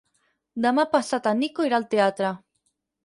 Demà passat en Nico irà al teatre.